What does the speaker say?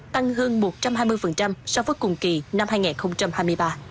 tăng hơn một trăm hai mươi so với cùng kỳ năm hai nghìn hai mươi ba